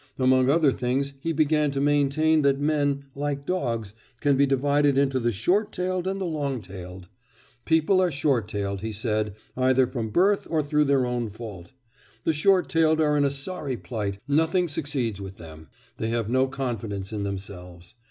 Among other things he began to maintain that men, like dogs, can be divided into the short tailed and the long tailed. People are short tailed, he said, either from birth or through their own fault. The short tailed are in a sorry plight; nothing succeeds with them they have no confidence in themselves.